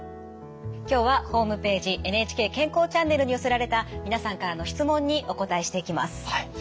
今日はホームページ「ＮＨＫ健康チャンネル」に寄せられた皆さんからの質問にお答えしていきます。